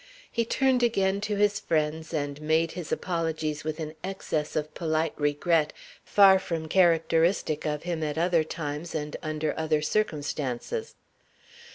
He turned again to his friends, and made his apologies with an excess of polite regret far from characteristic of him at other times and under other circumstances.